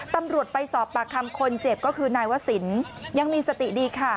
ตำรวจไปสอบปากคำคนเจ็บก็คือนายวศิลป์ยังมีสติดีค่ะ